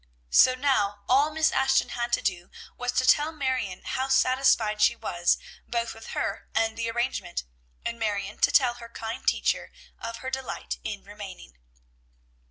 So now all Miss Ashton had to do was to tell Marion how satisfied she was both with her and the arrangement, and Marion to tell her kind teacher of her delight in remaining.